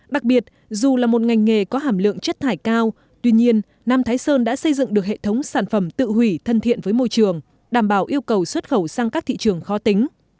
đặc biệt dù là một ngành nghề có hàm lượng chất thải cao tuy nhiên nam thái sơn đã xây dựng được hệ thống sản phẩm tự hủy thân thiện với môi trường đảm bảo yêu cầu xuất khẩu sang các thị trường khó tính